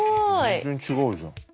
全然違うじゃん。